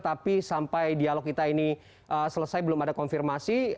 tapi sampai dialog kita ini selesai belum ada konfirmasi